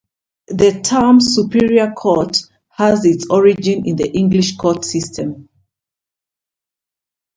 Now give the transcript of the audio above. The term "superior court" has its origins in the English court system.